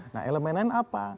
nah elemen lain apa